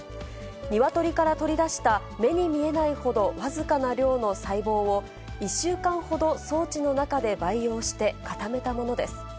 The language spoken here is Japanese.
ニワトリから取り出した目に見えないほど僅かな量の細胞を、１週間ほど装置の中で培養して固めたものです。